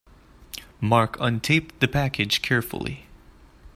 Mark untaped the package carefully.